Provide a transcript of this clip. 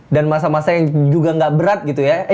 masa masa yang juga gak berat gitu ya